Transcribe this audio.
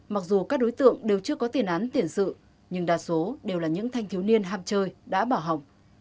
mặc dù các đối tượng đều chưa có tiền án tiền sự nhưng đa số đều là những thanh thiếu niên ham chơi đã bảo hồng